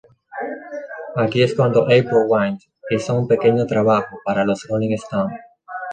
Aquí es cuando April Wine hizo un pequeño trabajo para los Rolling Stones.